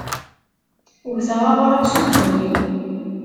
Wteɣ aɣrab s ubunyiw.